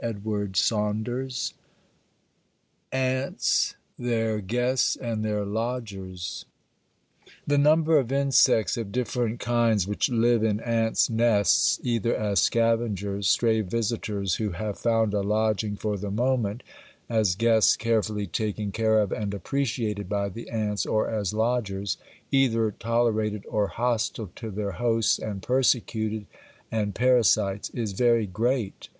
ANTS, THEIR GUESTS AND THEIR LODGERS The number of insects of different kinds which live in ants' nests, either as scavengers, stray visitors who have found a lodging for the moment, as guests carefully taken care of and appreciated by the ants, or as lodgers, either tolerated or hostile to their hosts and persecuted, and parasites, is very great.